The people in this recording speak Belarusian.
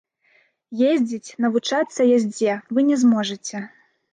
Ездзіць, навучацца яздзе вы не зможаце.